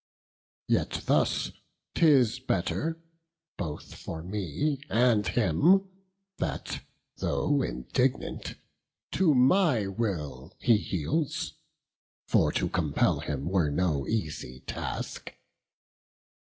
Yet thus 'tis better, both for me and him, That, though indignant, to my will he yields; For to compel him were no easy task.